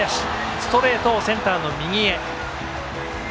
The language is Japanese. ストレートをセンターの右へ。